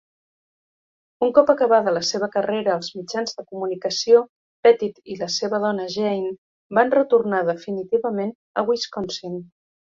Un cop acabada la seva carrera als mitjans de comunicació, Pettit i la seva dona Jane van retornar definitivament a Wisconsin.